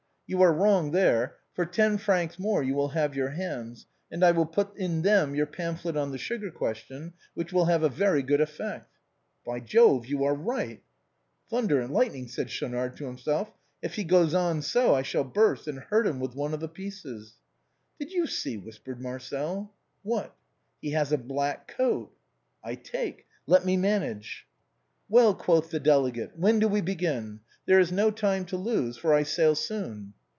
" You are wrong there ; for ten francs more you will have your hands, and I will put in them your pamphlet on the sugar question, which will have a very good effect." " By Jove, you are right !"" Thunder and lightning !" said Schaunard to himself, " if he goes on so, I shall burst, and hurt him with one of the pieces." " Did you see ?" whispered Marcel. "What?" " He has a black coat." " I take. Let me manage." " Well," quoth the delegate, " when do we begin ? There is no time to lose, for I sail soon."